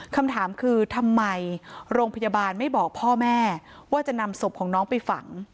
คำถามคือทำไมโรงพยาบาลไม่บอกพ่อแม่ว่าจะนำศพของน้องไปฝัง